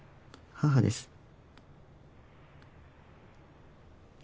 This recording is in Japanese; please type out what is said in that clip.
母です。